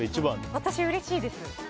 私、うれしいです。